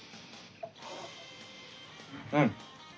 うん。